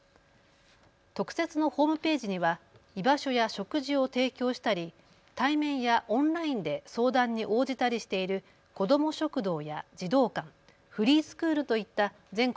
特設のホームページには居場所や食事を提供したり対面やオンラインで相談に応じたりしている子ども食堂や児童館、フリースクールといった全国